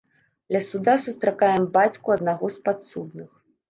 Ля суда сустракаем бацьку аднаго з падсудных.